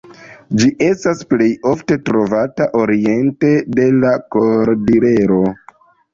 Ĝi estas plej ofte trovata oriente de la Kordilero.